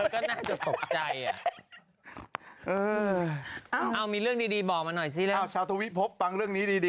ก็เหมือนกลับใจด้วยเอง